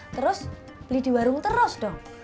terus beli di warung terus dong